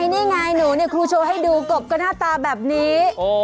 นี่ไงหนูเนี่ยครูโชว์ให้ดูกบก็หน้าตาแบบนี้